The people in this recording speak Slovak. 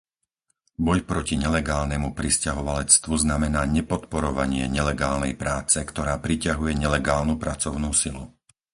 Boj proti nelegálnemu prisťahovalectvu znamená nepodporovanie nelegálnej práce, ktorá priťahuje nelegálnu pracovnú silu.